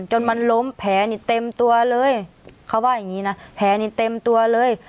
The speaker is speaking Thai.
จนมันล้มแผลนี่เต็มตัวเลยเขาว่าอย่างงี้นะแผลนี่เต็มตัวเลย